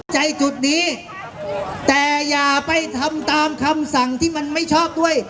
ใจจุดนี้แต่อย่าไปทำตามคำสั่งที่มันไม่ชอบด้วย